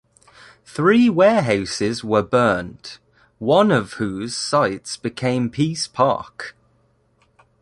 Three warehouses were burned, one of whose sites became Peace Park.